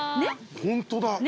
ホントだ！